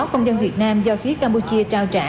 hai mươi sáu công dân việt nam do phía campuchia trao trả